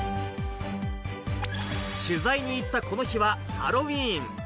取材に行ったこの日はハロウィーン。